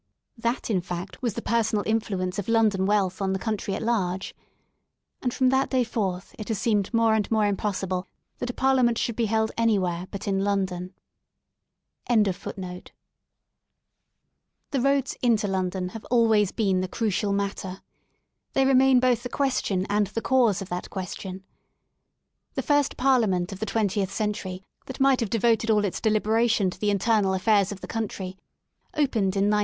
That in fact was the personal influence of London wealth on the country at large. And from that day forth it has seemed more and more impossible that a parliament should be held anywhere but In London. 47 THE SOUL OF LONDON Recreations and of the moral ^' tone/' not for England alone but for wider regions of the earth. The roads into London have always been the crucial matter. They remain both the "question" and the cause of that question. The first parliament of the twentieth century that might have devoted all its de liberation to the internal affairs of the country opened in 1903.